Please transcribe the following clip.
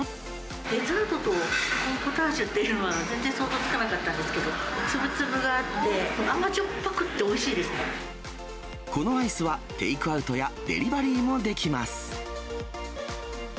デザートとコーンポタージュっていうのは、全然想像つかなかったんですけど、粒々があって、甘じょっぱくってこのアイスはテイクアウトやデリバリーもできます。